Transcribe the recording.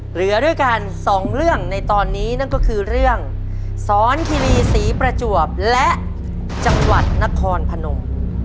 เหลือด้วยกันสองเรื่องในตอนนี้นั่นก็คือเรื่องสอนคิรีศรีประจวบและจังหวัดนครพนม